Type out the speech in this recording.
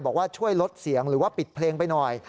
บอกว่าช่วยลดเสียงหรือว่าปิดเพลงไปหน่อย